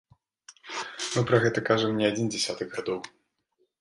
Мы пра гэта кажам не адзін дзясятак гадоў!